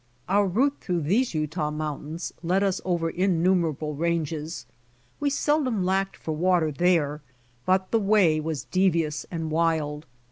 Our route through these Utah mountains led us over innumerable ranges. We seldom lacked for water there, but the v>'ay was devious and wild.